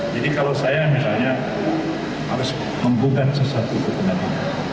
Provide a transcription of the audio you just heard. jadi kalau saya misalnya harus membuka sesuatu kekuatan ini